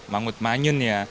mangut manyun ya